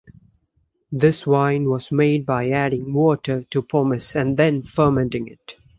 This wine was made by adding water to pomace and then fermenting it.